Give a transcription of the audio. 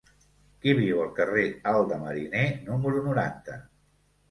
Qui viu al carrer Alt de Mariner número noranta?